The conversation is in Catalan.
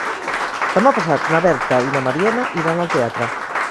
Demà passat na Berta i na Mariona iran al teatre.